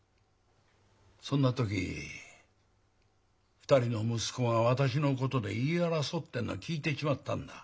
そんな時２人の息子が私のことで言い争っているのを聞いてしまったんだ。